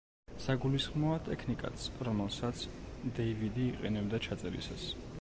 საგულისხმოა ტექნიკაც, რომელსაც დეივიდი იყენებდა ჩაწერისას.